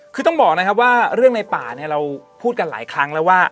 คือต้องบอกนะครับว่าเรื่องในป่าเนี่ยเราพูดกันหลายครั้งแล้วว่า